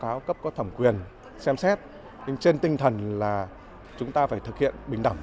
chúng tôi sẽ có thẩm quyền xem xét trên tinh thần là chúng ta phải thực hiện bình đẳng